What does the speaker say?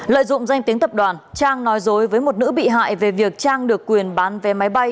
lợi dụng danh tiếng tập đoàn trang nói dối với một nữ bị hại về việc trang được quyền bán vé máy bay